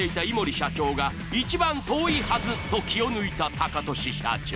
社長が１番遠いはずと気を抜いたタカトシ社長。